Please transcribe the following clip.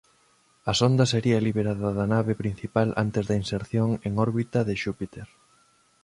A sonda sería liberada da nave principal antes da inserción en órbita de Xúpiter.